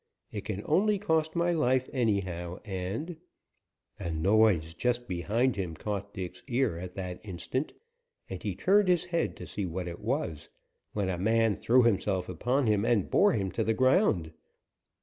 It can only cost my life, anyhow and " A noise just behind him caught Dick's ear at that instant, and he turned his head to see what it was, when a man threw himself upon him and bore him to the ground.